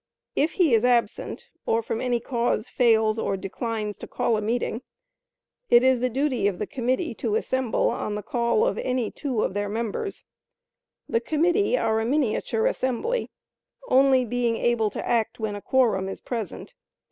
If he is absent, or from any cause fails or declines to call a meeting, it is the duty of the committee to assemble on the call of any two of their members. The committee are a miniature assembly, only being able to act when a quorum is present.